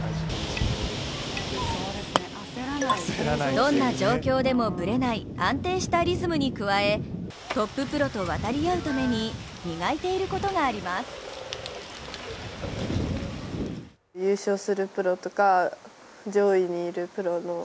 どんな状況でも崩れない安定したリズムを磨くためトッププロと渡り合うために磨いていることがあります。